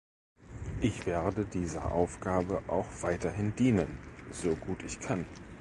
Ich werde dieser Aufgabe auch weiterhin dienen, so gut ich kann.